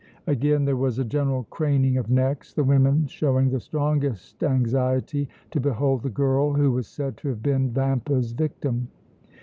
Again there was a general craning of necks, the women showing the strongest anxiety to behold the girl who was said to have been Vampa's victim.